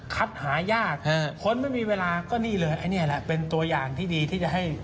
หายากคนไม่มีเวลาก็นี่เลยอันนี้แหละเป็นตัวอย่างที่ดีที่จะให้